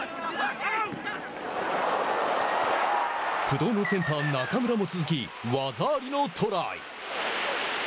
不動のセンター中村も続き技ありのトライ。